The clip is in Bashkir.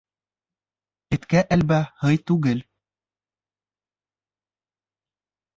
Эткә әлбә һый түгел.